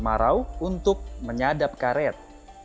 semarau untuk menyadap karet